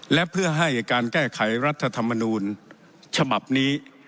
และเพื่อให้การแก้ไขรัฐธรรมนูลฉบับนี้